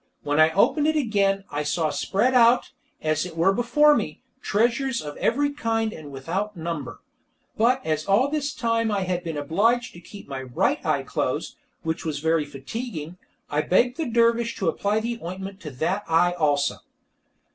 When I opened it again I saw spread out, as it were before me, treasures of every kind and without number. But as all this time I had been obliged to keep my right eye closed, which was very fatiguing, I begged the dervish to apply the ointment to that eye also.